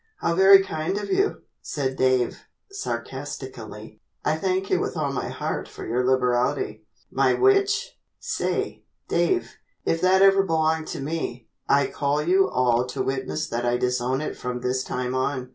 "How very kind of you," said Dave, sarcastically. "I thank you with all my heart for your liberality." "My which? Say, Dave, if that ever belonged to me, I call you all to witness that I disown it from this time on.